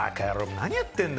何やってんだ！